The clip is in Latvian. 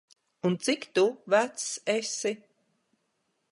Un, cik tu vecs esi?